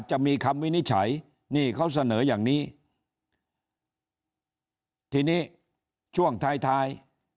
จะมีคำวินิจฉัยนี่เขาเสนออย่างนี้ทีนี้ช่วงท้ายท้าย